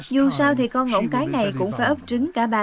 nhưng có thể vận may sẽ đến với kẻ táo bạo